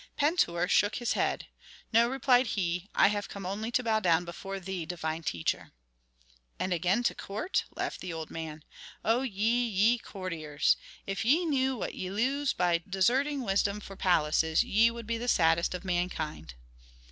Pentuer shook his head. "No," replied he, "I have come only to bow down before thee, divine teacher." "And again to court?" laughed the old man. "Oh ye, ye courtiers! If ye knew what ye lose by deserting wisdom for palaces ye would be the saddest of mankind."